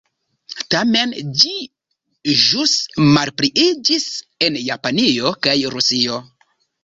Tamen ĝi ĵus malpliiĝis en Japanio kaj Rusio.